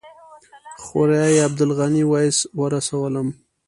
خوريي عبدالغني ویس ورسولم.